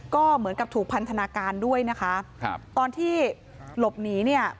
ก็เหมือนกับถูกพันธนาการด้วยนะคะครับตอนที่หลบหนีเนี่ย